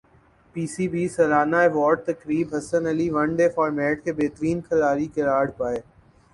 پی C B سالانہ award تقریب Hasan Ali one day format کے بہترین کھلاڑی قرار پائے